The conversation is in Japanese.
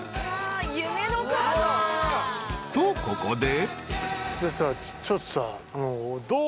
［とここで］